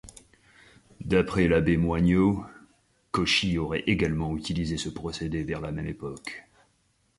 D'après l'abbé Moigno, Cauchy aurait également utilisé ce procédé vers la même époque.